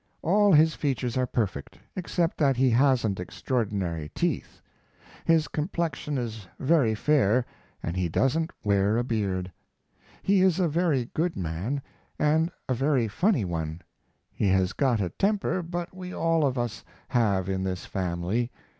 All his features are perfect, except that he hasn't extraordinary teeth. His complexion is very fair, and he doesn't ware a beard: He is a very good man, and a very funny one; he has got a temper but we all of us have in this family.